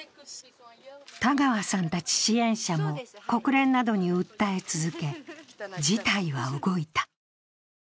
田川さんたち支援者も国連などに訴え続け事態は動いた。